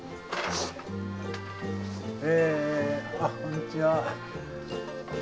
えあっこんにちは。